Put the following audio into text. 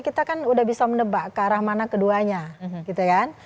kita kan udah bisa menebak ke arah mana keduanya gitu kan